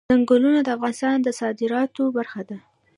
ځنګلونه د افغانستان د صادراتو برخه ده.